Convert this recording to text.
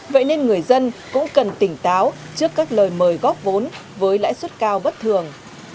vậy nên người dân cũng cần tỉnh táo trước các lời mời góp vốn với lãi suất cao bất thường